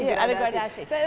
iya ada gradasi